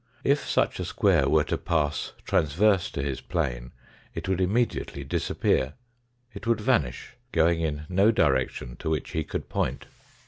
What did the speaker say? If such a square were to pass transverse to his plane, it would immediately disappear. It would vanish, going in no direction to which he could point.